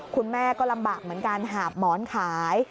คุณแม่ก็ลำบากเหมือนกันหาบหมอนขาย